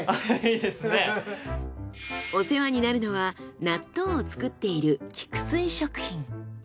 お世話になるのは納豆を作っている菊水食品。